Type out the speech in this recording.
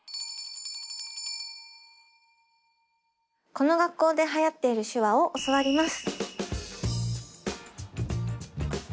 この学校で流行っている手話を教わります。